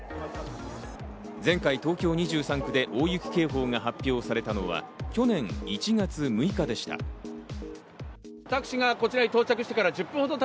前回、東京２３区で大雪警報が発表されたのは、去年１月６日でした。